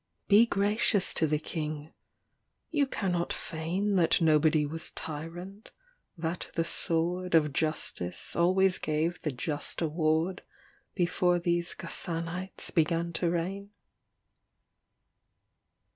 LXXVX Be gracious to the King. You canot feign That nobody was tyrant, that the sword Of justice always gave the just award Before these Ghassanites began to reign.